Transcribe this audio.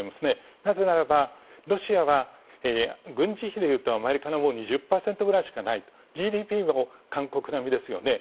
なぜならばロシアは軍事費でいうと２０％くらいしかないＧＤＰも韓国並みですよね。